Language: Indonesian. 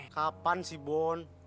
kapan sih bon